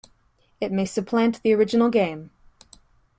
It may supplant the original game.